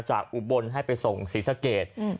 จากอุบลให้ไปส่งศรีสะเกตอืม